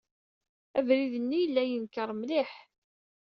Abrid-nni yella yenker mliḥ.